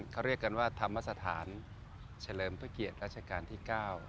เขาเรียกกันว่าธรรมสถานเฉลิมพระเกียรติรัชกาลที่๙